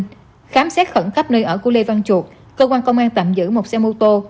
khám xét khẩn cấp nơi ở của lê văn chuột cơ quan công an tạm giữ một xe mô tô